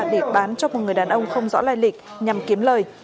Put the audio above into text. để bán cho một người đàn ông không rõ lai lịch nhằm kiếm lời